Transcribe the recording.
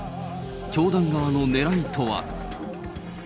教団側のねらいとは。